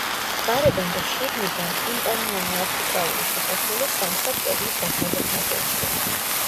გარედან და შიგნიდან ტიმპანიანი არქიტრავული შესასვლელი სამხრეთ კედლის დასავლეთ ნაწილშია.